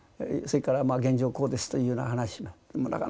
それから現状はこうですというような話も。